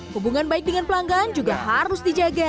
hubungan baik dengan pelanggan juga harus dijaga